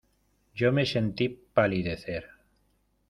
yo me sentí palidecer.